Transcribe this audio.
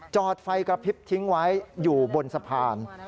จอดไฟกระพริบทิ้งไว้อยู่บนสะพาน